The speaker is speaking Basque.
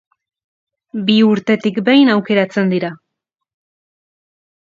Bi urtetik behin aukeratzen dira.